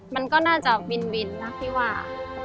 มันก็น่าจะบินนะพี่ว่า